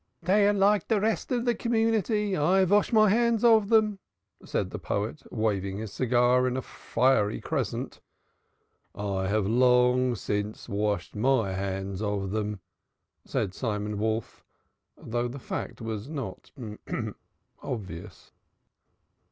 "Dey are like de rest of de Community. I vash my hands of dem," said the poet, waving his cigar in a fiery crescent. "I have long since washed my hands of them," said Simon Wolf, though the fact was not obvious.